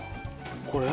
これ？